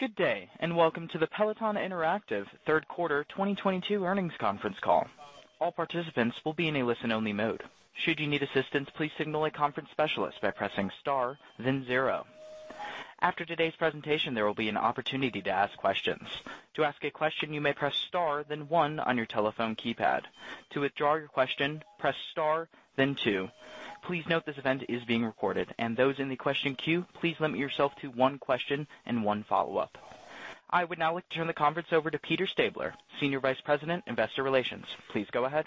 Good day, and welcome to the Peloton Interactive Third Quarter 2022 Earnings Conference Call. All participants will be in a listen-only mode. Should you need assistance, please signal a conference specialist by pressing star then zero. After today's presentation, there will be an opportunity to ask questions. To ask a question, you may press star then one on your telephone keypad. To withdraw your question, press star then two. Please note this event is being recorded, and those in the question queue, please limit yourself to one question and one follow-up. I would now like to turn the conference over to Peter Stabler, Senior Vice President, Investor Relations. Please go ahead.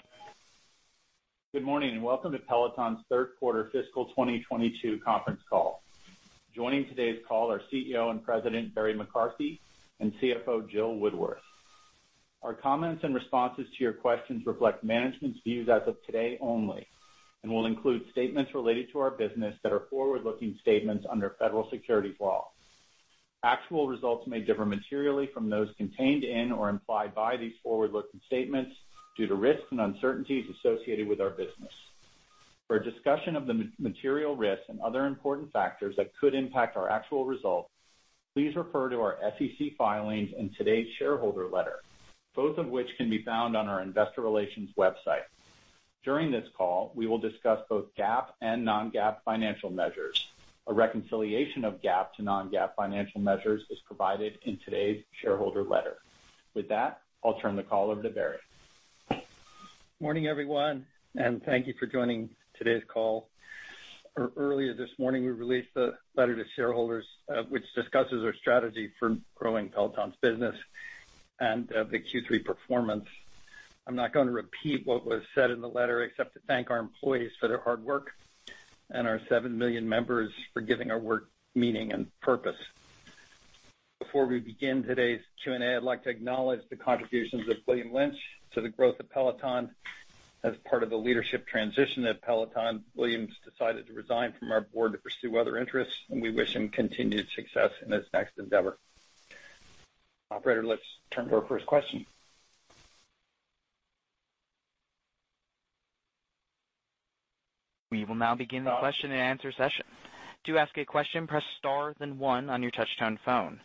Good morning, and welcome to Peloton's third quarter fiscal 2022 conference call. Joining today's call are CEO and President, Barry McCarthy, and CFO, Jill Woodworth. Our comments and responses to your questions reflect management's views as of today only and will include statements related to our business that are forward-looking statements under federal securities law. Actual results may differ materially from those contained in or implied by these forward-looking statements due to risks and uncertainties associated with our business. For a discussion of the material risks and other important factors that could impact our actual results, please refer to our SEC filings and today's shareholder letter, both of which can be found on our investor relations website. During this call, we will discuss both GAAP and non-GAAP financial measures. A reconciliation of GAAP to non-GAAP financial measures is provided in today's shareholder letter. With that, I'll turn the call over to Barry. Morning, everyone, and thank you for joining today's call. Earlier this morning, we released the letter to shareholders, which discusses our strategy for growing Peloton's business and the Q3 performance. I'm not gonna repeat what was said in the letter, except to thank our employees for their hard work and our seven million members for giving our work meaning and purpose. Before we begin today's Q&A, I'd like to acknowledge the contributions of William Lynch to the growth of Peloton. As part of the leadership transition at Peloton, William's decided to resign from our board to pursue other interests, and we wish him continued success in his next endeavor. Operator, let's turn to our first question. We will now begin the question and answer session. To ask a question, press star then one on your touchtone phone.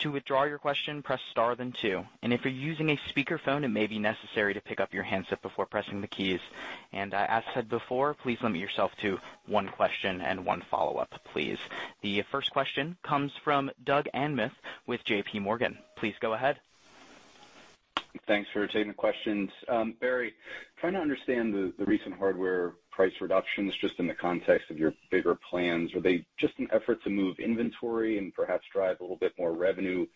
To withdraw your question, press star then two. If you're using a speakerphone, it may be necessary to pick up your handset before pressing the keys. As said before, please limit yourself to one question and one follow-up, please. The first question comes from Doug Anmuth with JPMorgan. Please go ahead. Thanks for taking the questions. Barry, trying to understand the recent hardware price reductions just in the context of your bigger plans. Were they just an effort to move inventory and perhaps drive a little bit more revenue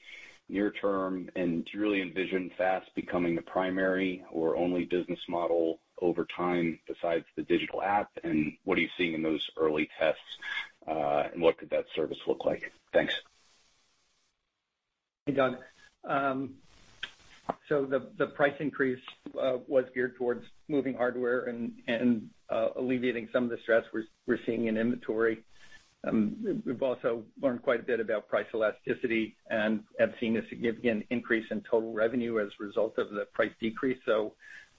near term, and do you really envision FaaS becoming the primary or only business model over time besides the digital app, and what are you seeing in those early tests, and what could that service look like? Thanks. Hey, Doug. The price increase was geared towards moving hardware and alleviating some of the stress we're seeing in inventory. We've also learned quite a bit about price elasticity and have seen a significant increase in total revenue as a result of the price decrease.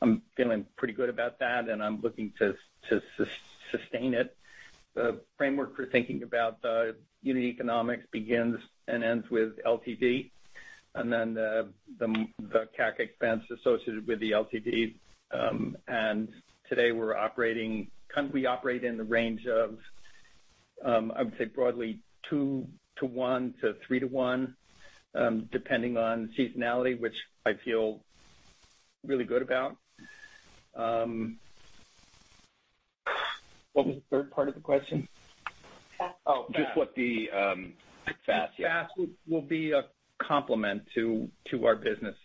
I'm feeling pretty good about that, and I'm looking to sustain it. The framework for thinking about the unit economics begins and ends with LTV, and then the CAC expense associated with the LTV. We operate in the range of, I would say broadly 2-to-1 to 3-to-1, depending on seasonality, which I feel really good about. What was the third part of the question? FaaS. Oh. Just what the FaaS, yeah. FaaS will be a complement to our business.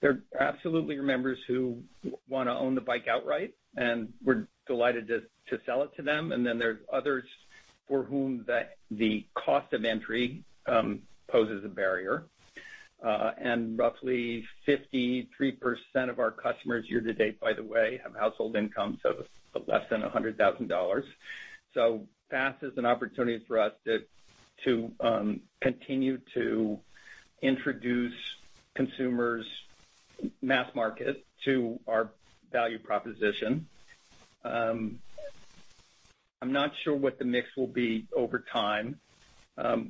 There absolutely are members who wanna own the bike outright, and we're delighted to sell it to them. Then there are others for whom the cost of entry poses a barrier. Roughly 53% of our customers year to date, by the way, have household incomes of less than $100,000. FaaS is an opportunity for us to continue to introduce mass market consumers to our value proposition. I'm not sure what the mix will be over time.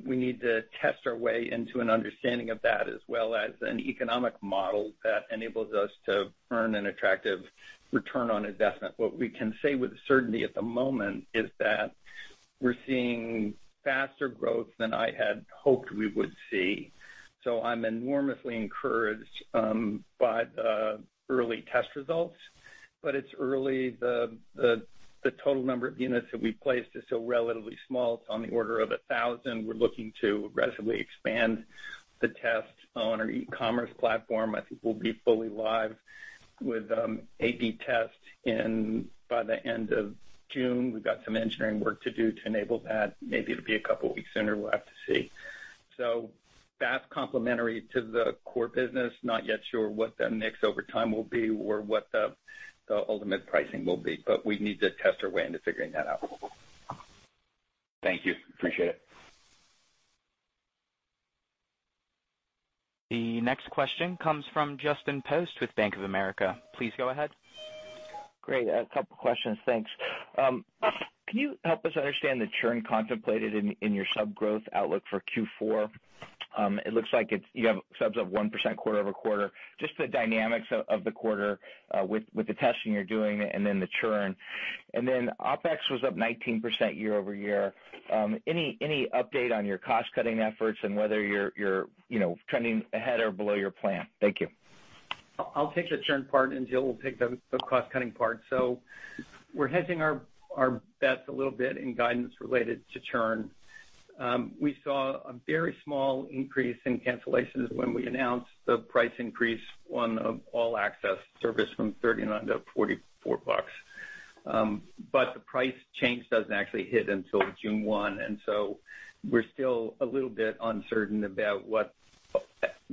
We need to test our way into an understanding of that as well as an economic model that enables us to earn an attractive return on investment. What we can say with certainty at the moment is that we're seeing faster growth than I had hoped we would see. I'm enormously encouraged by the early test results. It's early. The total number of units that we've placed is still relatively small. It's on the order of 1,000. We're looking to aggressively expand the test on our e-commerce platform. I think we'll be fully live with A/B test by the end of June. We've got some engineering work to do to enable that. Maybe it'll be a couple weeks sooner. We'll have to see. FaaS complementary to the core business, not yet sure what the mix over time will be or what the ultimate pricing will be, but we need to test our way into figuring that out. Thank you. Appreciate it. The next question comes from Justin Post with Bank of America. Please go ahead. Great. A couple questions. Thanks. Can you help us understand the churn contemplated in your sub growth outlook for Q4? It looks like it's you have subs of 1% quarter-over-quarter. Just the dynamics of the quarter with the testing you're doing and then the churn. OpEx was up 19% year-over-year. Any update on your cost-cutting efforts and whether you're you know, trending ahead or below your plan? Thank you. I'll take the churn part and Jill will take the cost-cutting part. We're hedging our bets a little bit in guidance related to churn. We saw a very small increase in cancellations when we announced the price increase on All-Access service from $39 to $44. But the price change doesn't actually hit until June 1, and we're still a little bit uncertain about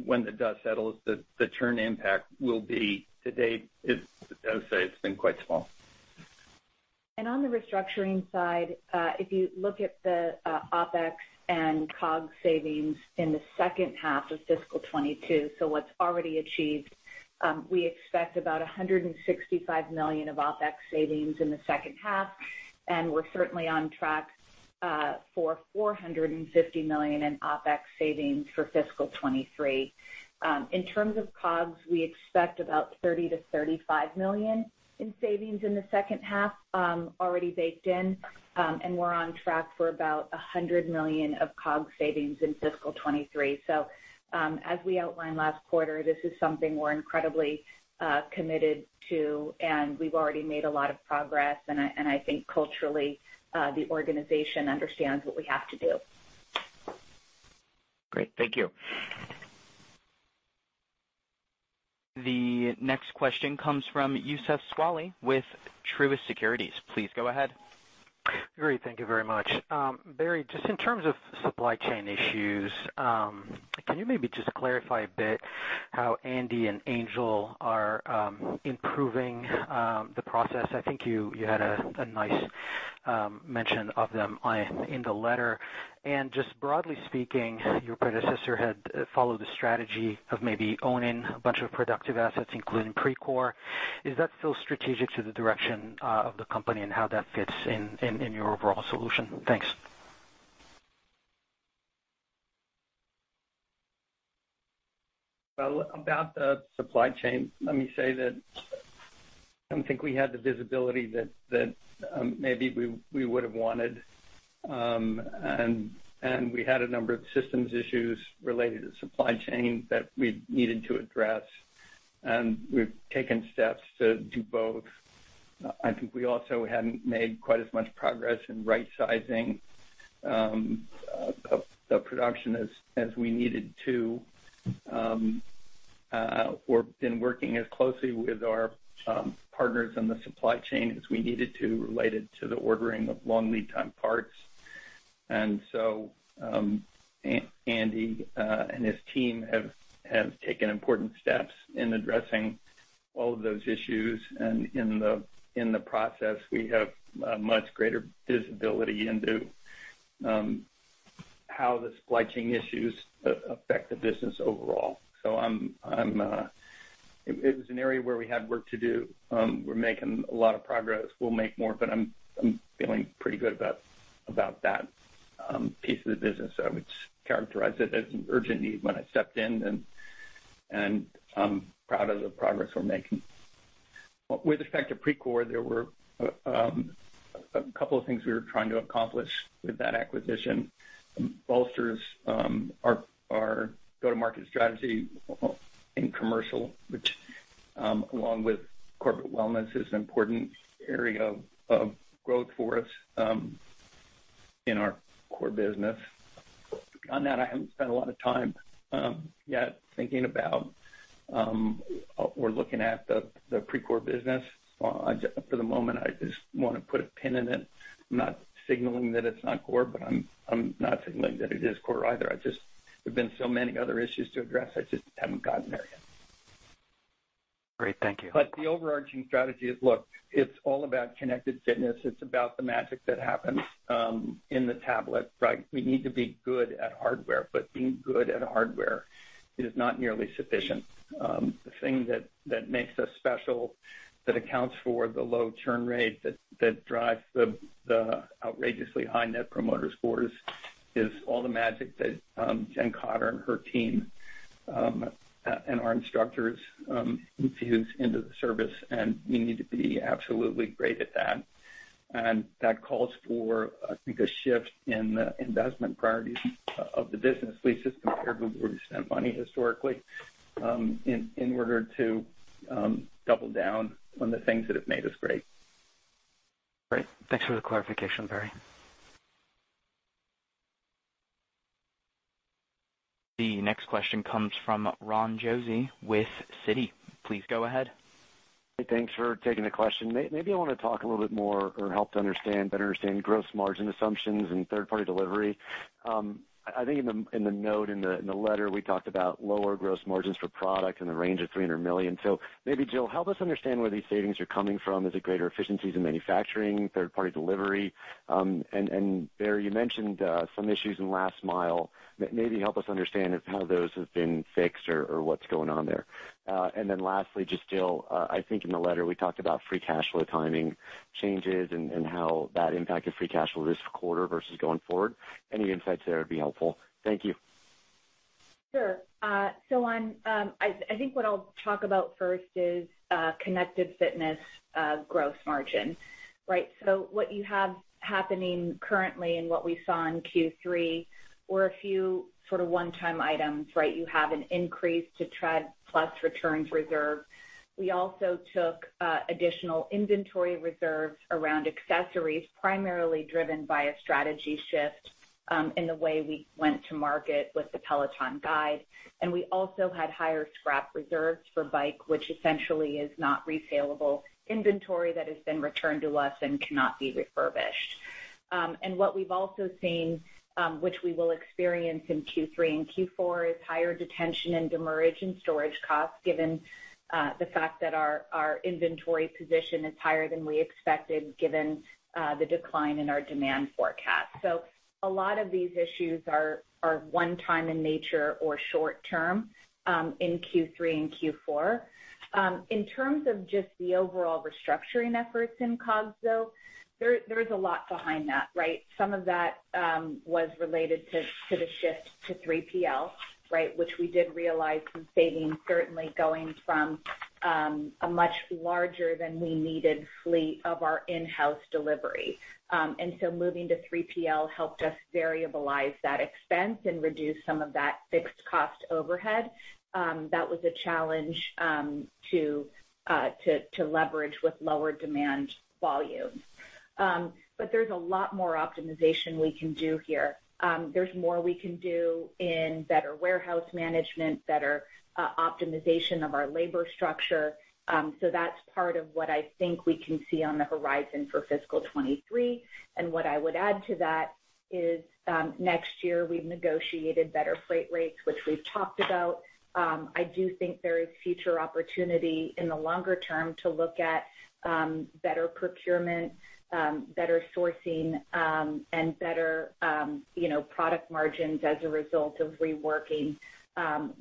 when the dust settles, the churn impact will be. To date, it's, as I said, been quite small. On the restructuring side, if you look at the OpEx and COGS savings in the H2 of fiscal 2022, what's already achieved, we expect about $165 million of OpEx savings in the H2, and we're certainly on track for $450 million in OpEx savings for fiscal 2023. In terms of COGS, we expect about $30-$35 million in savings in the H2, already baked in, and we're on track for about $100 million of COGS savings in fiscal 2023. As we outlined last quarter, this is something we're incredibly committed to, and we've already made a lot of progress. I think culturally, the organization understands what we have to do. Great. Thank you. The next question comes from Youssef Squali with Truist Securities. Please go ahead. Great. Thank you very much. Barry, just in terms of supply chain issues, can you maybe just clarify a bit how Andy and Angel are improving the process? I think you had a nice mention of them in the letter. Just broadly speaking, your predecessor had followed the strategy of maybe owning a bunch of productive assets, including Precor. Is that still strategic to the direction of the company and how that fits in your overall solution? Thanks. Well, about the supply chain, let me say that I don't think we had the visibility that maybe we would have wanted. We had a number of systems issues related to supply chain that we needed to address, and we've taken steps to do both. I think we also hadn't made quite as much progress in rightsizing the production as we needed to or been working as closely with our partners in the supply chain as we needed to related to the ordering of long lead time parts. Andy and his team have taken important steps in addressing all of those issues. In the process, we have a much greater visibility into how the supply chain issues affect the business overall. It was an area where we had work to do. We're making a lot of progress. We'll make more, but I'm feeling pretty good about that piece of the business. I would characterize it as an urgent need when I stepped in and I'm proud of the progress we're making. With respect to Precor, there were a couple of things we were trying to accomplish with that acquisition. It bolsters our go-to-market strategy in commercial, which, along with corporate wellness, is an important area of growth for us in our core business. On that, I haven't spent a lot of time yet thinking about or looking at the Precor business. For the moment, I just wanna put a pin in it. I'm not signaling that it's not core, but I'm not signaling that it is core either. There have been so many other issues to address, I just haven't gotten there yet. Great. Thank you. The overarching strategy is, look, it's all about connected fitness. It's about the magic that happens, in the tablet, right? We need to be good at hardware, but being good at hardware is not nearly sufficient. The thing that makes us special, that accounts for the low churn rate, that drives the outrageously high net promoter scores is all the magic that Jen Cotter and her team, and our instructors, infuse into the service, and we need to be absolutely great at that. That calls for, I think, a shift in the investment priorities of the business, at least as compared to where we've spent money historically, in order to double down on the things that have made us great. Great. Thanks for the clarification, Barry. The next question comes from Ron Josey with Citi. Please go ahead. Hey, thanks for taking the question. Maybe I want to talk a little bit more to better understand gross margin assumptions and third-party delivery. I think in the letter, we talked about lower gross margins for product in the range of $300 million. So maybe, Jill, help us understand where these savings are coming from. Is it greater efficiencies in manufacturing, third-party delivery? And Barry, you mentioned some issues in last mile. Maybe help us understand how those have been fixed or what's going on there. And then lastly, just Jill, I think in the letter we talked about free cash flow timing changes and how that impacted free cash flow this quarter versus going forward. Any insights there would be helpful. Thank you. Sure. I think what I'll talk about first is connected fitness gross margin, right? What you have happening currently and what we saw in Q3 were a few sort of one-time items, right? You have an increase to Tread+ returns reserve. We also took additional inventory reserves around accessories, primarily driven by a strategy shift in the way we went to market with the Peloton Guide. We also had higher scrap reserves for bike, which essentially is not resalable inventory that has been returned to us and cannot be refurbished. What we've also seen, which we will experience in Q3 and Q4, is higher detention and demurrage and storage costs, given the fact that our inventory position is higher than we expected, given the decline in our demand forecast. A lot of these issues are one-time in nature or short-term in Q3 and Q4. In terms of just the overall restructuring efforts in COGS, though, there is a lot behind that, right? Some of that was related to the shift to 3PL, right? Which we did realize some savings certainly going from a much larger than we needed fleet of our in-house delivery. Moving to 3PL helped us variabilize that expense and reduce some of that fixed cost overhead that was a challenge to leverage with lower demand volume. There's a lot more optimization we can do here. There's more we can do in better warehouse management, better optimization of our labor structure. That's part of what I think we can see on the horizon for fiscal 2023. What I would add to that is, next year we've negotiated better freight rates, which we've talked about. I do think there is future opportunity in the longer term to look at better procurement, better sourcing, and better, you know, product margins as a result of reworking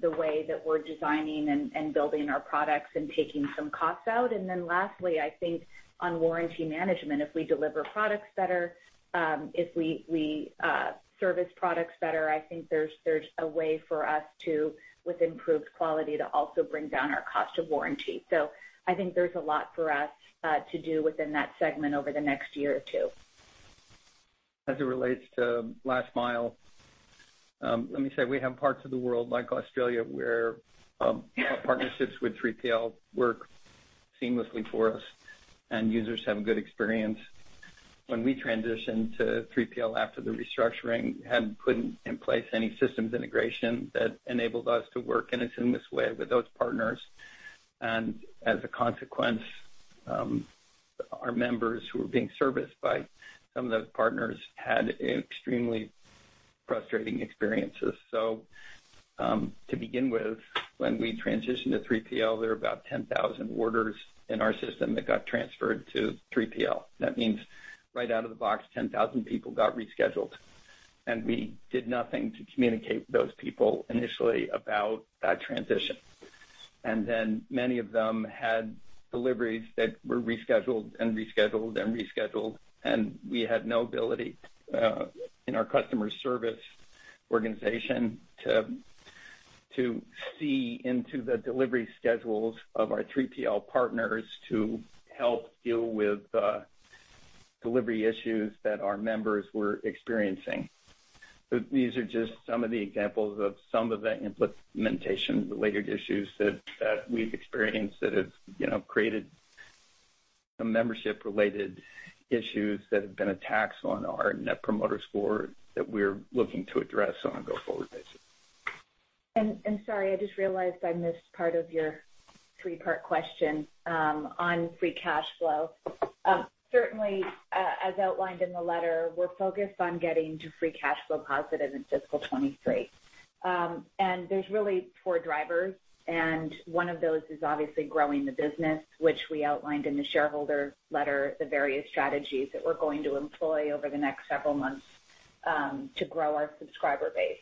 the way that we're designing and building our products and taking some costs out. Lastly, I think on warranty management, if we deliver products better, if we service products better, I think there's a way for us to, with improved quality, to also bring down our cost of warranty. I think there's a lot for us to do within that segment over the next year or two. As it relates to last mile, let me say we have parts of the world, like Australia, where our partnerships with 3PL work seamlessly for us and users have a good experience. When we transitioned to 3PL after the restructuring, we hadn't put in place any systems integration that enabled us to work in a seamless way with those partners. As a consequence, our members who were being serviced by some of those partners had extremely frustrating experiences. To begin with, when we transitioned to 3PL, there were about 10,000 orders in our system that got transferred to 3PL. That means right out of the box, 10,000 people got rescheduled, and we did nothing to communicate with those people initially about that transition. Many of them had deliveries that were rescheduled and rescheduled and rescheduled, and we had no ability in our customer service organization to see into the delivery schedules of our 3PL partners to help deal with delivery issues that our members were experiencing. These are just some of the examples of some of the implementation-related issues that we've experienced that have, you know, created some membership-related issues that have been a tax on our net promoter score that we're looking to address on a go-forward basis. Sorry, I just realized I missed part of your three-part question on free cash flow. Certainly, as outlined in the letter, we're focused on getting to free cash flow positive in fiscal 2023. There's really four drivers, and one of those is obviously growing the business, which we outlined in the shareholder letter, the various strategies that we're going to employ over the next several months to grow our subscriber base.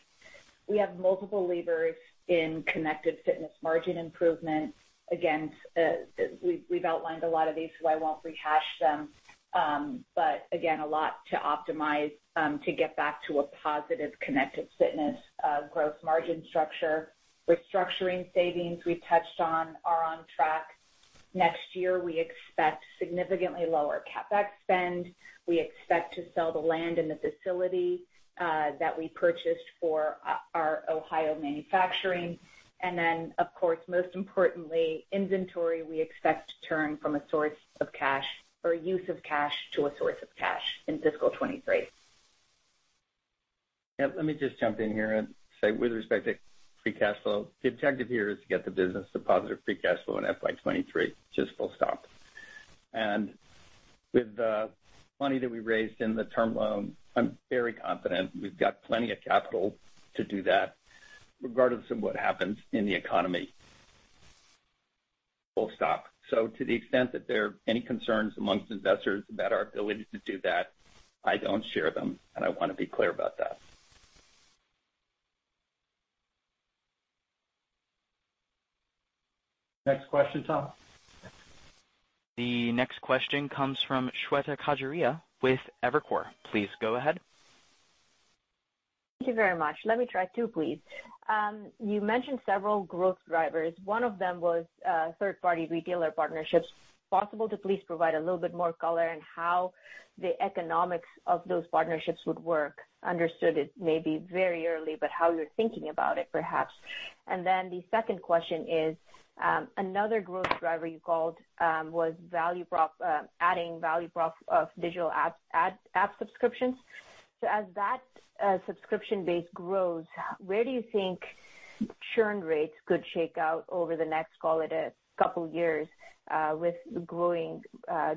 We have multiple levers in connected fitness margin improvement. Again, we've outlined a lot of these, so I won't rehash them. But again, a lot to optimize to get back to a positive connected fitness gross margin structure. Restructuring savings we touched on are on track. Next year, we expect significantly lower CapEx spend. We expect to sell the land and the facility that we purchased for our Ohio manufacturing. Of course, most importantly, inventory we expect to turn from a use of cash to a source of cash in fiscal 2023. Yeah, let me just jump in here and say with respect to free cash flow, the objective here is to get the business to positive free cash flow in FY 2023, just full stop. With the money that we raised in the term loan, I'm very confident we've got plenty of capital to do that regardless of what happens in the economy. Full stop. To the extent that there are any concerns amongst investors about our ability to do that, I don't share them, and I wanna be clear about that. Next question, Tom. The next question comes from Shweta Khajuria with Evercore. Please go ahead. Thank you very much. Let me try two, please. You mentioned several growth drivers. One of them was third-party retailer partnerships. Is it possible to, please, provide a little bit more color on how the economics of those partnerships would work? I understand it may be very early, but how you're thinking about it, perhaps. The second question is another growth driver you called was adding value prop of digital app subscriptions. So as that subscription base grows, where do you think churn rates could shake out over the next, call it, a couple years, with growing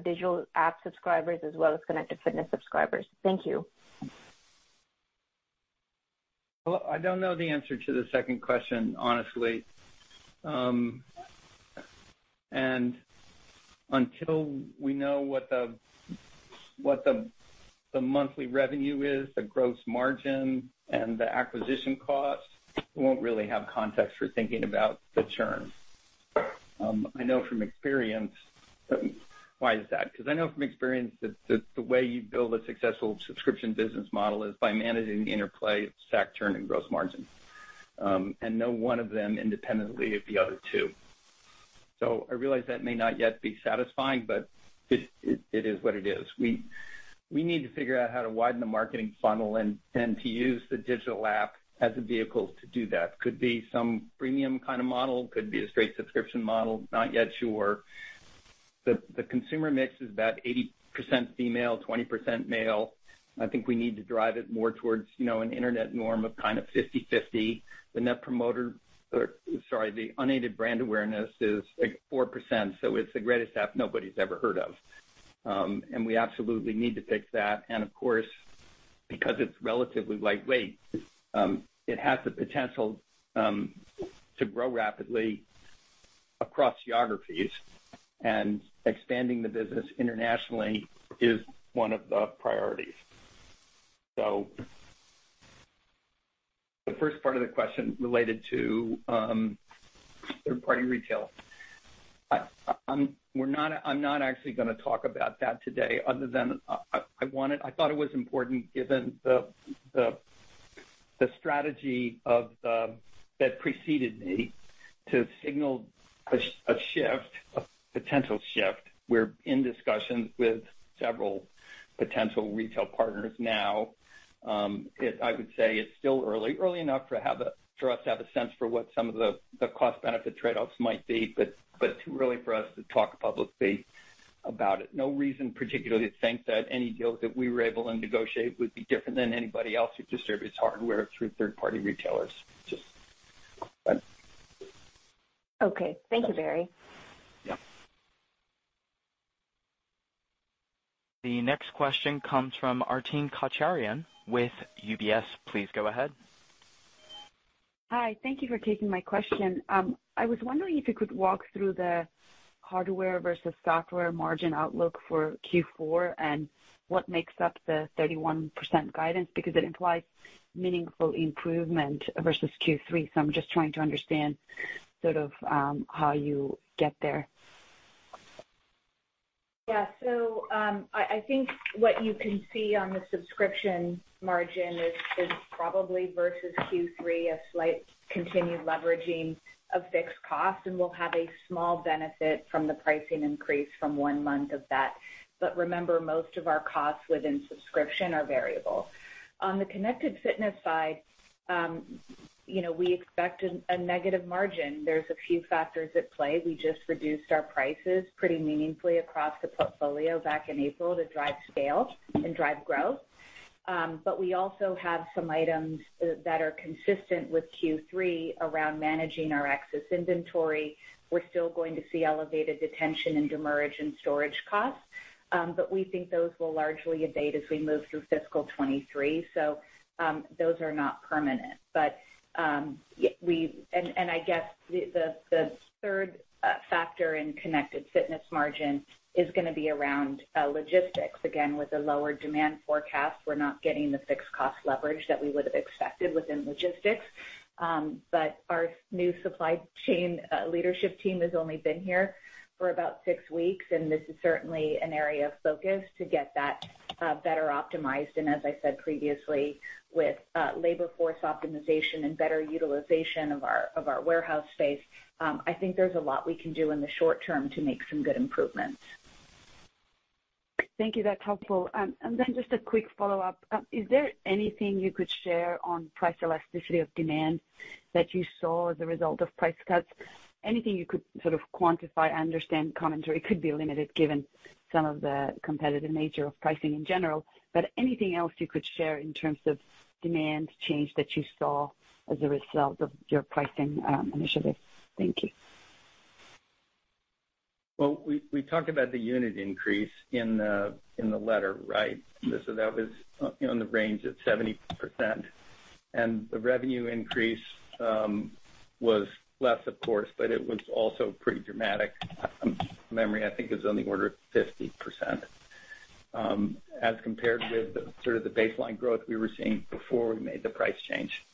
digital app subscribers as well as connected fitness subscribers? Thank you. Well, I don't know the answer to the second question, honestly. Until we know what the monthly revenue is, the gross margin and the acquisition costs, we won't really have context for thinking about the churn. I know from experience. Why is that? 'Cause I know from experience that the way you build a successful subscription business model is by managing the interplay of SAC, churn and gross margin, and none of them independently of the other two. I realize that may not yet be satisfying, but it is what it is. We need to figure out how to widen the marketing funnel and to use the digital app as a vehicle to do that. Could be some premium kind of model, could be a straight subscription model. Not yet sure. The consumer mix is about 80% female, 20% male. I think we need to drive it more towards, you know, an internet norm of kind of 50/50. The unaided brand awareness is, like, 4%, so it's the greatest app nobody's ever heard of. We absolutely need to fix that. Of course, because it's relatively lightweight, it has the potential to grow rapidly across geographies, and expanding the business internationally is one of the priorities. The first part of the question related to third-party retail. I'm not actually gonna talk about that today other than I thought it was important given the strategy that preceded me to signal a shift, a potential shift. We're in discussions with several potential retail partners now. I would say it's still early enough for us to have a sense for what some of the cost-benefit trade-offs might be, but too early for us to talk publicly about it. No reason particularly to think that any deal that we were able to negotiate would be different than anybody else who distributes hardware through third-party retailers. Okay. Thank you, Barry. Yeah. The next question comes from Arpine Kocharyan with UBS. Please go ahead. Hi. Thank you for taking my question. I was wondering if you could walk through the hardware versus software margin outlook for Q4 and what makes up the 31% guidance, because it implies meaningful improvement versus Q3. I'm just trying to understand sort of how you get there. Yeah. I think what you can see on the subscription margin is probably versus Q3, a slight continued leveraging of fixed costs, and we'll have a small benefit from the pricing increase from one month of that. Remember, most of our costs within subscription are variable. On the connected fitness side, you know, we expect a negative margin. There's a few factors at play. We just reduced our prices pretty meaningfully across the portfolio back in April to drive scale and drive growth. We also have some items that are consistent with Q3 around managing our excess inventory. We're still going to see elevated detention and demurrage and storage costs, but we think those will largely abate as we move through fiscal 2023. Those are not permanent. I guess the third factor in connected fitness margin is gonna be around logistics. Again, with the lower demand forecast, we're not getting the fixed cost leverage that we would have expected within logistics. Our new supply chain leadership team has only been here for about six weeks, and this is certainly an area of focus to get that better optimized. As I said previously, with labor force optimization and better utilization of our warehouse space, I think there's a lot we can do in the short term to make some good improvements. Thank you. That's helpful. Just a quick follow-up. Is there anything you could share on price elasticity of demand that you saw as a result of price cuts? Anything you could sort of quantify? I understand commentary could be limited given some of the competitive nature of pricing in general, but anything else you could share in terms of demand change that you saw as a result of your pricing initiative? Thank you. Well, we talked about the unit increase in the letter, right? So that was, you know, in the range of 70%. The revenue increase was less, of course, but it was also pretty dramatic. Margin, I think, is on the order of 50%, as compared with the sort of the baseline growth we were seeing before we made the price change.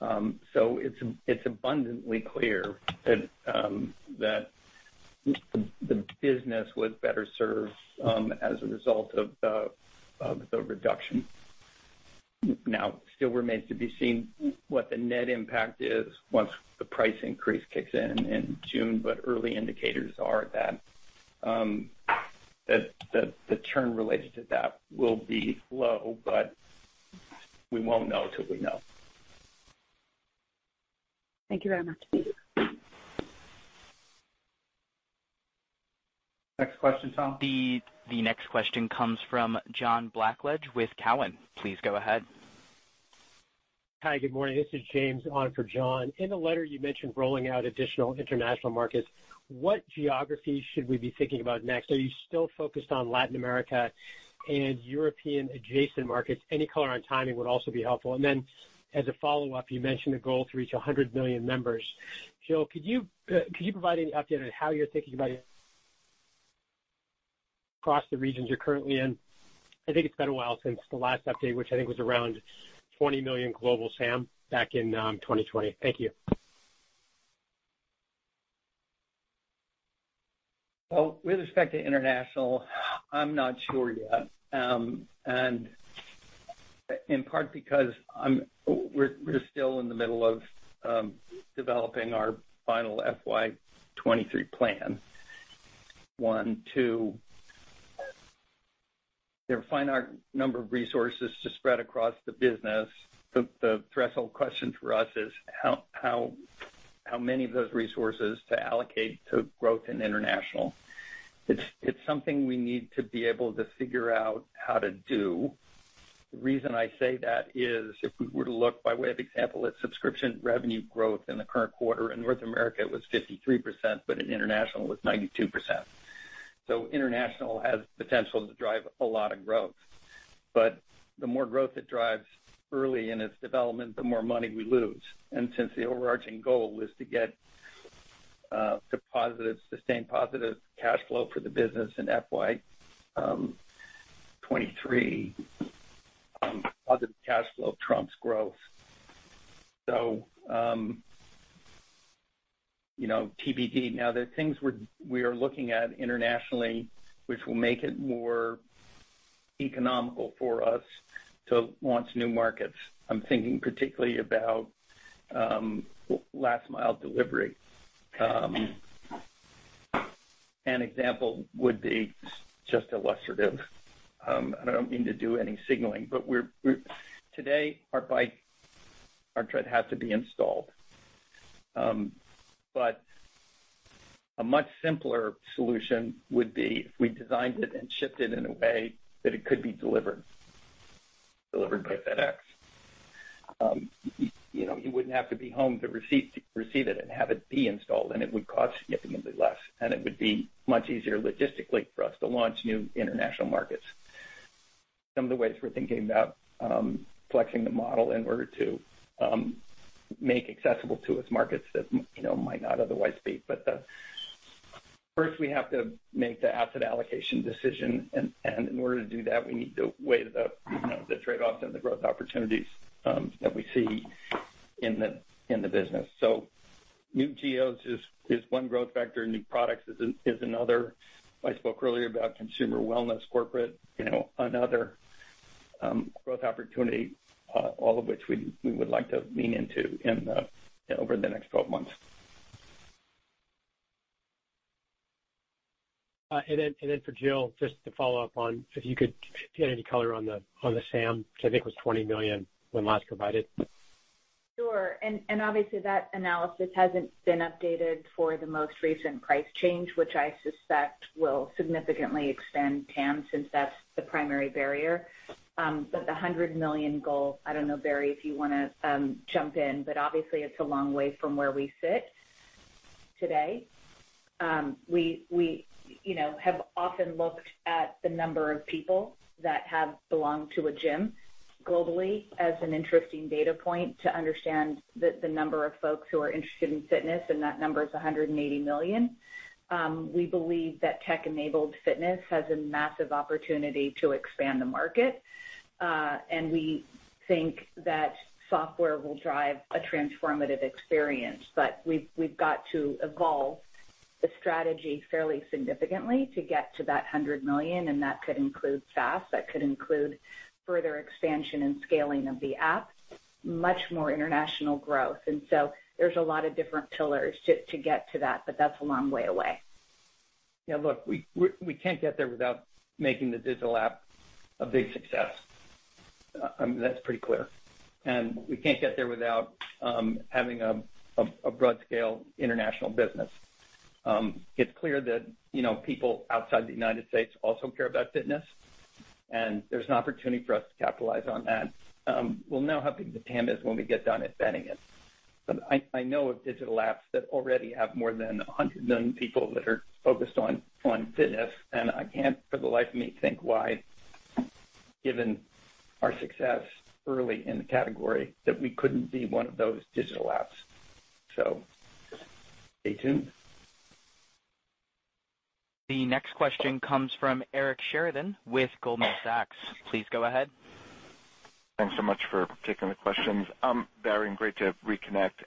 So it's abundantly clear that the business was better served as a result of the reduction. Now, still remains to be seen what the net impact is once the price increase kicks in in June, but early indicators are that the churn related to that will be low, but we won't know till we know. Thank you very much. Next question, Tom. The next question comes from John Blackledge with Cowen. Please go ahead. Hi, good morning. This is James on for John. In the letter you mentioned rolling out additional international markets. What geographies should we be thinking about next? Are you still focused on Latin America and European adjacent markets? Any color on timing would also be helpful. As a follow-up, you mentioned a goal to reach 100 million members. Jill, could you provide any update on how you're thinking about across the regions you're currently in? I think it's been a while since the last update, which I think was around 20 million global SAM back in 2020. Thank you. Well, with respect to international, I'm not sure yet. In part because we're still in the middle of developing our final FY 2023 plan. One, two, there are finite number of resources to spread across the business. The threshold question for us is how many of those resources to allocate to growth in international? It's something we need to be able to figure out how to do. The reason I say that is if we were to look by way of example at subscription revenue growth in the current quarter in North America, it was 53%, but in international it was 92%. International has potential to drive a lot of growth. The more growth it drives early in its development, the more money we lose. Since the overarching goal is to get to sustained positive cash flow for the business in FY 2023, positive cash flow trumps growth. You know, TBD. Now there are things we are looking at internationally which will make it more economical for us to launch new markets. I'm thinking particularly about last mile delivery. An example would be just illustrative, and I don't mean to do any signaling, but today our bike, our Tread has to be installed. But a much simpler solution would be if we designed it and shipped it in a way that it could be delivered by FedEx. You know, you wouldn't have to be home to receive it and have it be installed, and it would cost significantly less, and it would be much easier logistically for us to launch new international markets. Some of the ways we're thinking about flexing the model in order to make it accessible to more markets that, you know, might not otherwise be. First we have to make the asset allocation decision and in order to do that, we need to weigh the, you know, the trade-offs and the growth opportunities that we see in the business. New geos is one growth factor, new products is another. I spoke earlier about consumer wellness, corporate, you know, another growth opportunity, all of which we would like to lean into over the next 12 months. For Jill, just to follow up on if you could get any color on the SAM, which I think was 20 million when last provided. Sure. Obviously that analysis hasn't been updated for the most recent price change, which I suspect will significantly extend TAM since that's the primary barrier. The 100 million goal, I don't know, Barry, if you wanna jump in, but obviously it's a long way from where we sit today. We, you know, have often looked at the number of people that have belonged to a gym globally as an interesting data point to understand the number of folks who are interested in fitness, and that number is 180 million. We believe that tech-enabled fitness has a massive opportunity to expand the market, and we think that software will drive a transformative experience. We've got to evolve the strategy fairly significantly to get to that 100 million, and that could include SaaS, that could include further expansion and scaling of the app, much more international growth. There's a lot of different pillars to get to that, but that's a long way away. Yeah, look, we can't get there without making the digital app a big success. That's pretty clear. We can't get there without having a broad scale international business. It's clear that, you know, people outside the United States also care about fitness and there's an opportunity for us to capitalize on that. We'll know how big the TAM is when we get done vetting it. I know of digital apps that already have more than 100 million people that are focused on fitness and I can't for the life of me think why given our success early in the category that we couldn't be one of those digital apps. Stay tuned. The next question comes from Eric Sheridan with Goldman Sachs. Please go ahead. Thanks so much for taking the questions. Barry, great to reconnect.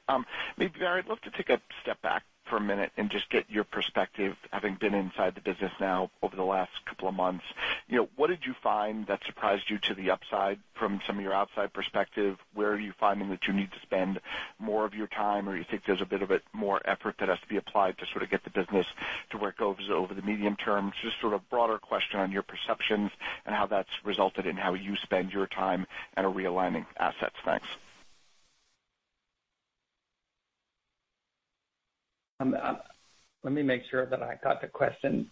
Maybe, Barry, I'd love to take a step back for a minute and just get your perspective, having been inside the business now over the last couple of months. You know, what did you find that surprised you to the upside from some of your outside perspective? Where are you finding that you need to spend more of your time, or you think there's a bit more effort that has to be applied to sort of get the business to where it goes over the medium term? Just sort of broader question on your perceptions and how that's resulted in how you spend your time and realigning assets. Thanks. Let me make sure that I got the question.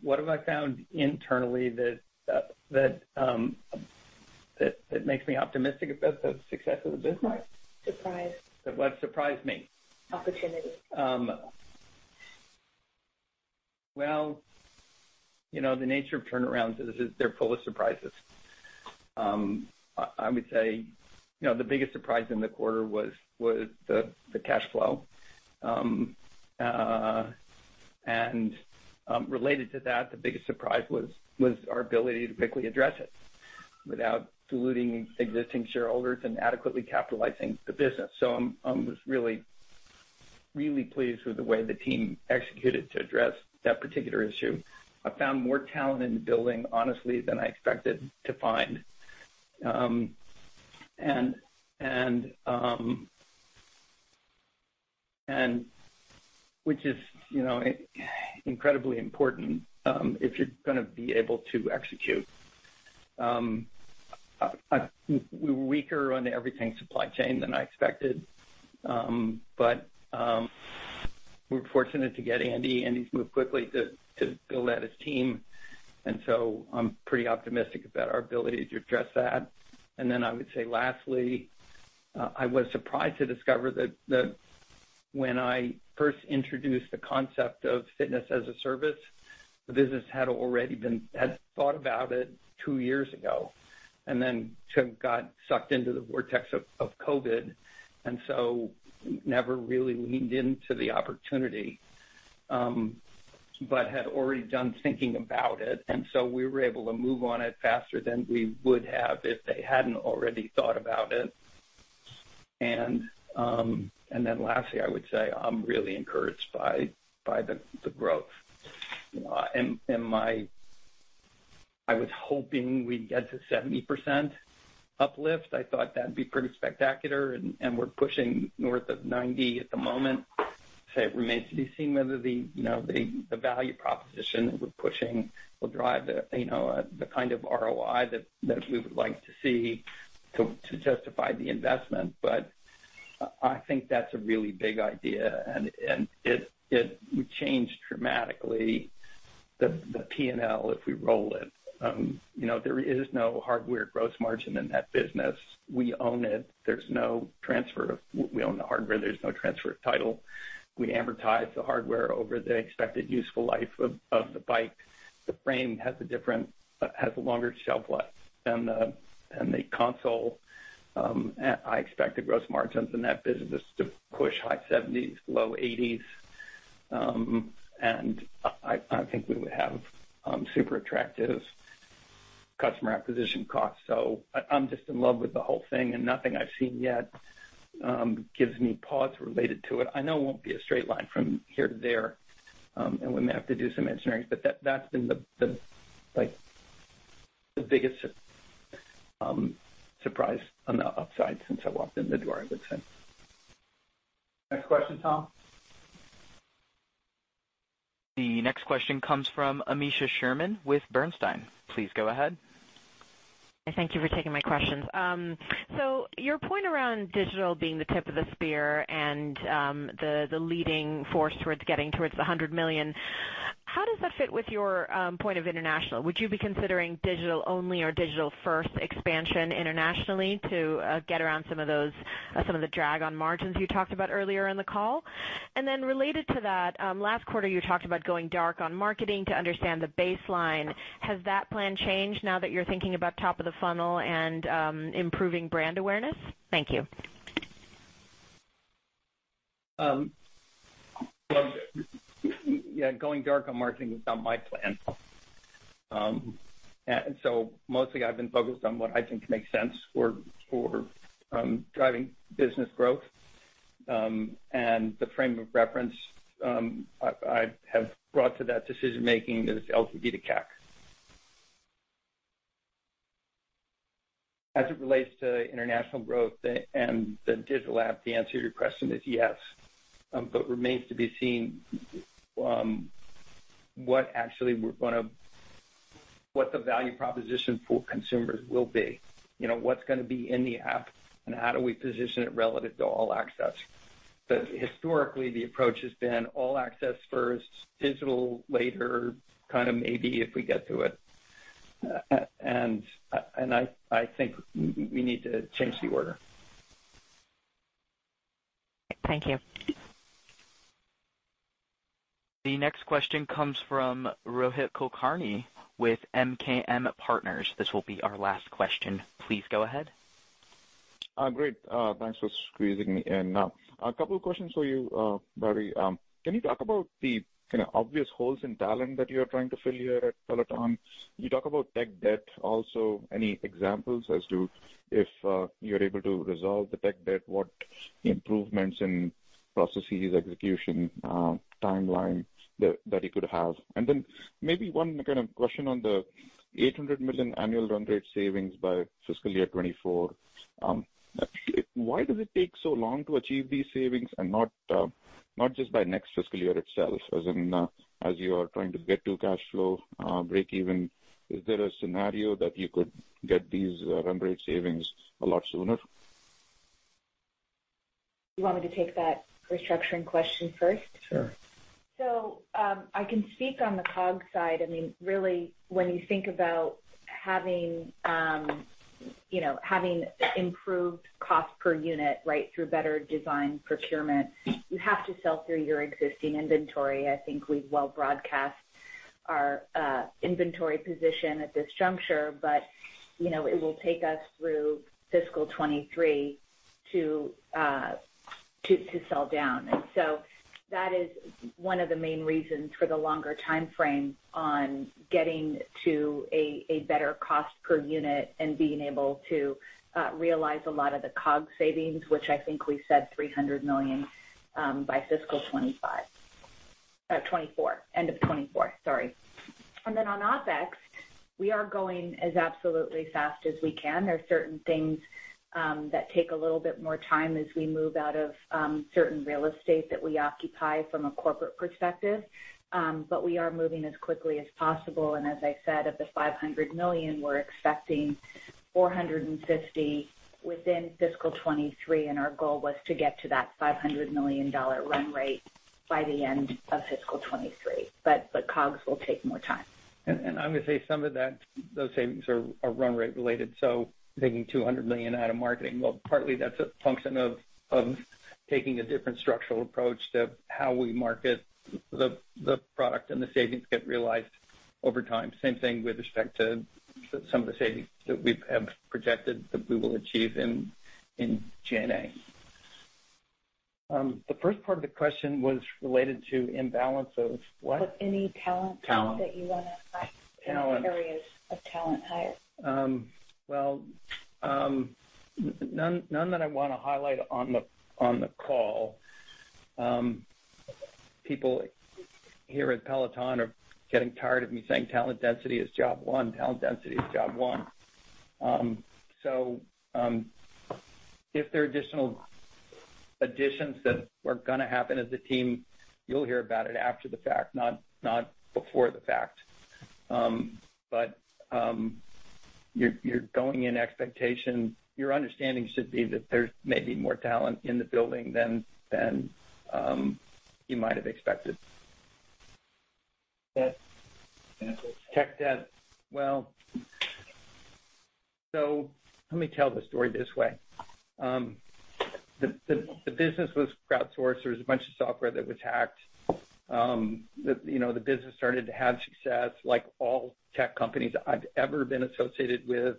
What have I found internally that makes me optimistic about the success of the business? Surprise. What surprised me. Opportunity. Well, you know, the nature of turnaround is they're full of surprises. I would say, you know, the biggest surprise in the quarter was the cash flow. Related to that, the biggest surprise was our ability to quickly address it without diluting existing shareholders and adequately capitalizing the business. I was really pleased with the way the team executed to address that particular issue. I found more talent in the building, honestly, than I expected to find. Which is, you know, incredibly important if you're gonna be able to execute. We were weaker on everything supply chain than I expected. We're fortunate to get Andy, and he's moved quickly to build out his team. I'm pretty optimistic about our ability to address that. I would say, lastly, I was surprised to discover that when I first introduced the concept of Fitness-as-a-Service, the business had thought about it two years ago and then got sucked into the vortex of COVID. Never really leaned into the opportunity, but had already done thinking about it, and so we were able to move on it faster than we would have if they hadn't already thought about it. Lastly, I would say I'm really encouraged by the growth. I was hoping we'd get to 70% uplift. I thought that'd be pretty spectacular, and we're pushing north of 90% at the moment. It remains to be seen whether you know the value proposition that we're pushing will drive you know the kind of ROI that we would like to see to justify the investment. I think that's a really big idea. It would change dramatically the P&L if we roll it. You know, there is no hardware gross margin in that business. We own it. There's no transfer of We own the hardware. There's no transfer of title. We advertise the hardware over the expected useful life of the bike. The frame has a different has a longer shelf life than the console. I expect the gross margins in that business to push high 70s%, low 80s%. I think we would have super attractive customer acquisition costs. I'm just in love with the whole thing, and nothing I've seen yet gives me pause related to it. I know it won't be a straight line from here to there, and we may have to do some engineering, but that's been the like the biggest surprise on the upside since I walked in the door, I would say. Next question, Tom. The next question comes from Aneesha Sherman with Bernstein. Please go ahead. Thank you for taking my questions. So your point around digital being the tip of the spear and, the leading force towards getting towards the 100 million, how does that fit with your point of international? Would you be considering digital only or digital first expansion internationally to get around some of those, some of the drag on margins you talked about earlier in the call? Related to that, last quarter, you talked about going dark on marketing to understand the baseline. Has that plan changed now that you're thinking about top of the funnel and improving brand awareness? Thank you. Yeah, going dark on marketing was not my plan. Mostly I've been focused on what I think makes sense for driving business growth, and the frame of reference I have brought to that decision-making is LTV to CAC. As it relates to international growth and the digital app, the answer to your question is yes. Remains to be seen what the value proposition for consumers will be. You know, what's gonna be in the app and how do we position it relative to All-Access. Historically, the approach has been All-Access first, digital later, kinda maybe if we get to it. I think we need to change the order. Thank you. The next question comes from Rohit Kulkarni with MKM Partners. This will be our last question. Please go ahead. Great. Thanks for squeezing me in. A couple of questions for you, Barry. Can you talk about the kinda obvious holes in talent that you are trying to fill here at Peloton? You talk about tech debt also. Any examples as to if you're able to resolve the tech debt, what improvements in processes, execution, timeline that you could have? Then maybe one kind of question on the $800 million annual run rate savings by fiscal year 2024. Why does it take so long to achieve these savings and not just by next fiscal year itself, as in, as you are trying to get to cash flow breakeven? Is there a scenario that you could get these run rate savings a lot sooner? You want me to take that restructuring question first? Sure. I can speak on the COGS side. I mean, really, when you think about having, you know, having improved cost per unit, right, through better design procurement, you have to sell through your existing inventory. I think we've well broadcast our inventory position at this juncture, but, you know, it will take us through fiscal 2023 to sell down. That is one of the main reasons for the longer timeframe on getting to a better cost per unit and being able to realize a lot of the COGS savings, which I think we said $300 million by fiscal 2025. 2024. End of 2024. Sorry. On OpEx, we are going as absolutely fast as we can. There are certain things that take a little bit more time as we move out of certain real estate that we occupy from a corporate perspective. We are moving as quickly as possible. As I said, of the $500 million, we're expecting $450 million within fiscal 2023, and our goal was to get to that $500 million run rate by the end of fiscal 2023. COGS will take more time. I'm gonna say some of that, those savings are run rate related. Taking $200 million out of marketing. Well, partly that's a function of taking a different structural approach to how we market the product, and the savings get realized over time. Same thing with respect to some of the savings that we have projected that we will achieve in G&A. The first part of the question was related to imbalance of what? Of any talent- Talent. that you wanna highlight. Talent. Any areas of talent hire. Well, none that I wanna highlight on the call. People here at Peloton are getting tired of me saying talent density is job one. If there are additional additions that are gonna happen as a team, you'll hear about it after the fact, not before the fact. Your understanding should be that there may be more talent in the building than you might have expected. Debt. Tech debt. Well, let me tell the story this way. The business was crowdsourced. There was a bunch of software that was hacked. You know, the business started to have success like all tech companies I've ever been associated with.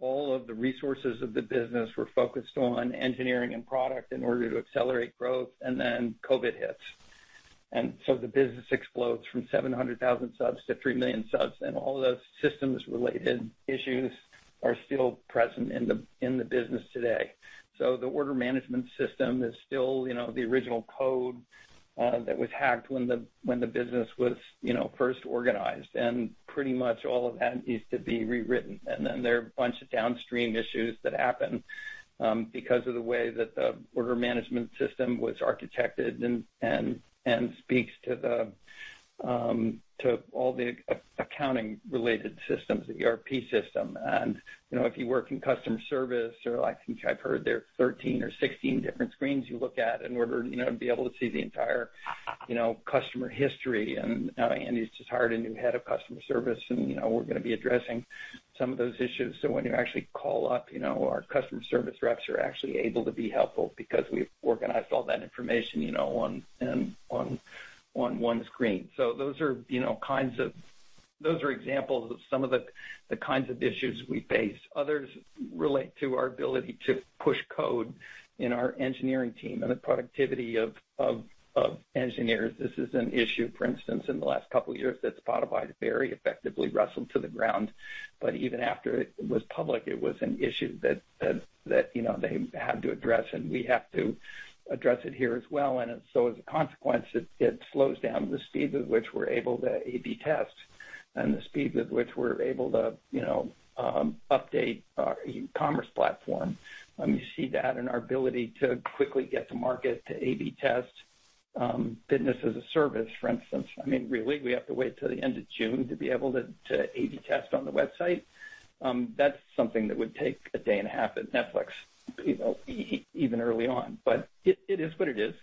All of the resources of the business were focused on engineering and product in order to accelerate growth, and then COVID hits. The business explodes from 700,000 subs to three million subs, and all of those systems related issues are still present in the business today. The order management system is still, you know, the original code that was hacked when the business was first organized. Pretty much all of that needs to be rewritten. Then there are a bunch of downstream issues that happen, because of the way that the order management system was architected and speaks to the, to all the accounting related systems, the ERP system. You know, if you work in customer service or like, I think I've heard there are 13 or 16 different screens you look at in order, you know, to be able to see the entire, you know, customer history. Andy's just hired a new head of customer service and, you know, we're gonna be addressing some of those issues. When you actually call up, you know, our customer service reps are actually able to be helpful because we've organized all that information, you know, on one screen. Those are, you know, kinds of. Those are examples of some of the kinds of issues we face. Others relate to our ability to push code in our engineering team and the productivity of engineers. This is an issue, for instance, in the last couple of years that Spotify very effectively wrestled to the ground. Even after it was public, it was an issue that you know they had to address, and we have to address it here as well. As a consequence, it slows down the speed at which we're able to A/B test and the speed with which we're able to you know update our e-commerce platform. You see that in our ability to quickly get to market to A/B test fitness as a service, for instance. I mean, really, we have to wait till the end of June to be able to A/B test on the website. That's something that would take a day and a half at Netflix, you know, even early on. It is what it is.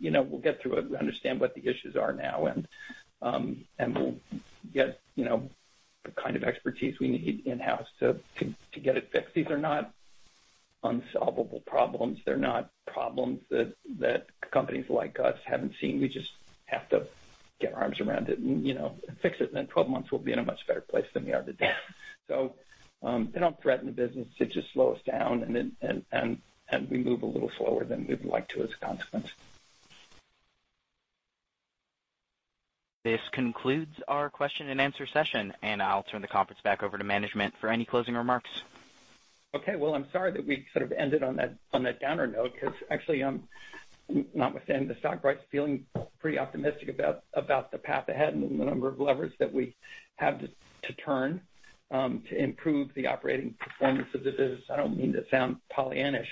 You know, we'll get through it. We understand what the issues are now and we'll get, you know, the kind of expertise we need in-house to get it fixed. These are not unsolvable problems. They're not problems that companies like us haven't seen. We just have to get our arms around it and, you know, fix it. Then 12 months, we'll be in a much better place than we are today. They don't threaten the business. They just slow us down and then we move a little slower than we'd like to as a consequence. This concludes our question and answer session, and I'll turn the conference back over to management for any closing remarks. Okay. Well, I'm sorry that we sort of ended on that downer note because actually, notwithstanding the stock price, feeling pretty optimistic about the path ahead and the number of levers that we have to turn to improve the operating performance of the business. I don't mean to sound Pollyannish,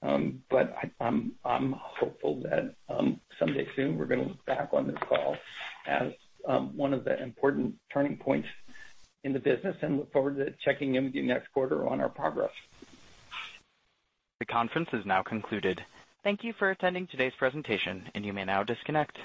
but I'm hopeful that someday soon, we're gonna look back on this call as one of the important turning points in the business and look forward to checking in with you next quarter on our progress. The conference is now concluded. Thank you for attending today's presentation, and you may now disconnect.